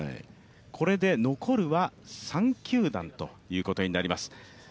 これで残るは３球団ということになります。